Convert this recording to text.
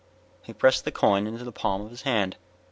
He pressed the coin into the palm of his hand.